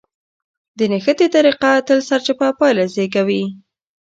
د نښتې طريقه تل سرچپه پايله زېږوي.